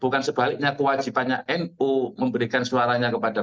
bukan sebaliknya kewajibannya nu memberikan kewajiban kepada nu